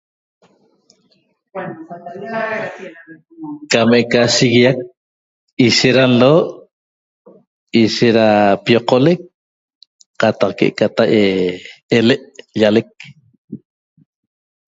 Cam eca shiguiac ishet da nlo ishet da pioqolec qataq que'ecatai elec llalec